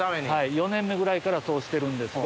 ４年目ぐらいからそうしてるんですが。